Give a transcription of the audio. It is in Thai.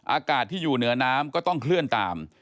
อากาศที่อยู่เหนือน้ำก็ต้องเคลื่อนตาม